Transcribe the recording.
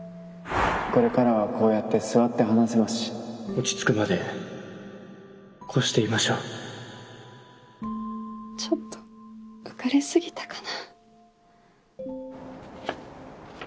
これからはこうやって座って話せます落ち着くまでこうしていましょうちょっと浮かれ過ぎたかな。